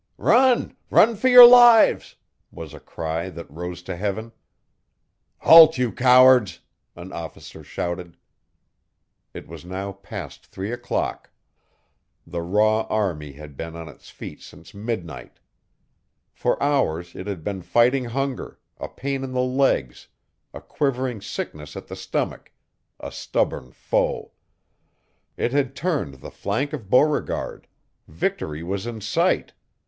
'Run! Run for your lives!' was a cry that rose to heaven. 'Halt, you cowards!' an officer shouted. It was now past three o clock. The raw army had been on its feet since midnight. For hours it had been fighting hunger, a pain in the legs, a quivering sickness at the stomach, a stubborn foe. It had turned the flank of Beauregard; victory was in sight.